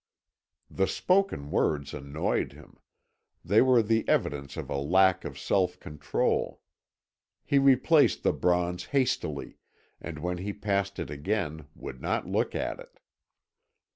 The spoken words annoyed him; they were the evidence of a lack of self control. He replaced the bronze hastily, and when he passed it again would not look at it.